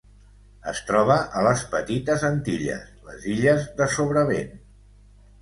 Es troba a les Petites Antilles: les illes de Sobrevent.